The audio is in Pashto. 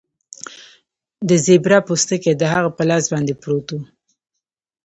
د زیبرا پوستکی د هغه په لاس باندې پروت و